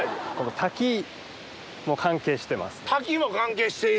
滝も関係している？